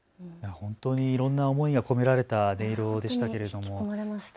本当にいろんな思いが込められた音色でしたけれども。